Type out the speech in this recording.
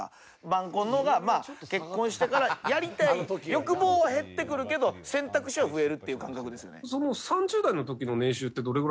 晩婚の方がまあ結婚してからやりたい欲望は減ってくるけど選択肢は増えるっていう感覚ですよね。